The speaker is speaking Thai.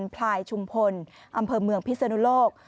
พลายชุมพลอำเภอเมืองพิศนุโลก